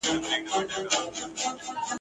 لاعجبه بې انصافه انسانان دي ..